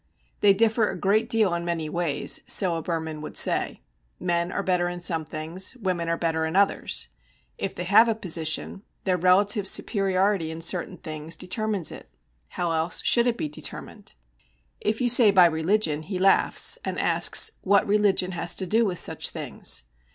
They differ a great deal in many ways, so a Burman would say; men are better in some things, women are better in others; if they have a position, their relative superiority in certain things determines it. How else should it be determined? If you say by religion, he laughs, and asks what religion has to do with such things?